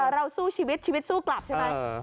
เราสู้ชีวิตชีวิตสู้กลับใช่ไหม